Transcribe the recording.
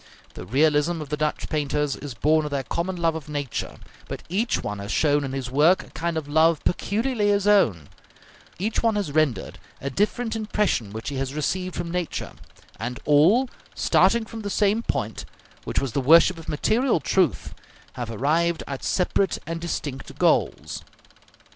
The realism of the Dutch painters is born of their common love of nature: but each one has shown in his work a kind of love peculiarly his own; each one has rendered a different impression which he has received from nature; and all, starting from the same point, which was the worship of material truth, have arrived at separate and distinct goals.